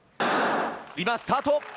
今、スタート。